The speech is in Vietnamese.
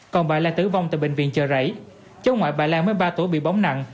còn bà lan tử vong tại bệnh viện chờ rảy cháu ngoại bà lan mới ba tuổi bị bóng nặng